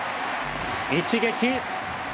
一撃！